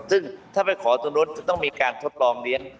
ซึ่งถ้าไปขอตรงนู้นก็ต้องมีการทดลองเลี้ยน